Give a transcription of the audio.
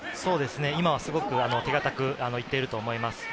今はすごく手堅くいっていると思います。